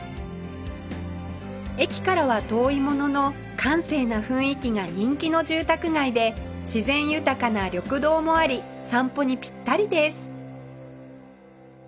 駅からは遠いものの閑静な雰囲気が人気の住宅街で自然豊かな緑道もあり散歩にピッタリです